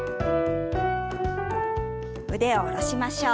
腕を下ろしましょう。